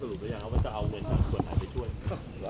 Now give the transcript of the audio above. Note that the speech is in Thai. สรุปตัวอย่างเขาจะเอาเงินต่างส่วนใหม่ไปช่วย